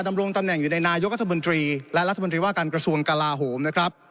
ดำรงตำแหน่งอยู่ในนายกรัฐมนตรีและรัฐมนตรีว่าการกระทรวงกลาโหมนะครับ